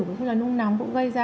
và thuốc lá nung nóng cũng gây ra